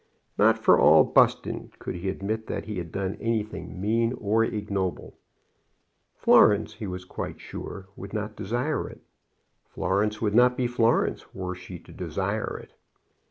Not for all Buston could he admit that he had done anything mean or ignoble. Florence, he was quite sure, would not desire it. Florence would not be Florence were she to desire it.